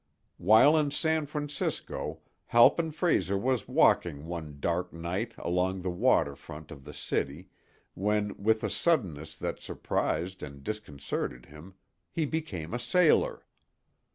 While in San Francisco Halpin Frayser was walking one dark night along the water front of the city, when, with a suddenness that surprised and disconcerted him, he became a sailor.